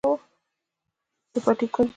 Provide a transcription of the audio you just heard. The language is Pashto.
زمري د پټي کونج بیل کاوه.